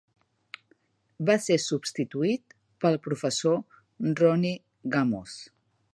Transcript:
Va ser substituït pel prof. Roni Gamzo.